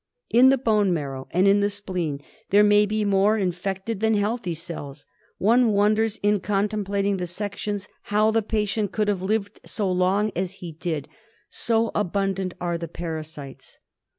In the bone marrow and in the spleen there mayl be more infected than healthy cells. One wonders in contemplating the sections how the patient could have lived so long as he did, so abundant are the parasites.